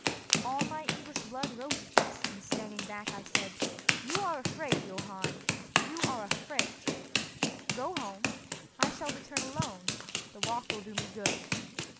All my English blood rose at this, and standing back I said, "You are afraid, Johann—you are afraid. Go home, I shall return alone, the walk will do me good."